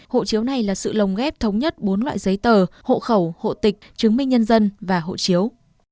hộ chiếu này là sự lồng ghép thống nhất bốn loại giấy tờ hộ khẩu hộ tịch chứng minh nhân dân và hộ chiếu